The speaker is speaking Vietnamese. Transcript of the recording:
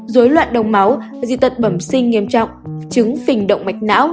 dối loạn đồng máu di tật bẩm sinh nghiêm trọng chứng phình động mạch não